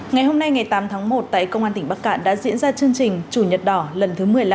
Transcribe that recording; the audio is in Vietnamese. ngày hôm nay ngày tám tháng một tại công an tỉnh bắc cạn đã diễn ra chương trình chủ nhật đỏ lần thứ một mươi năm